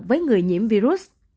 với người nhiễm virus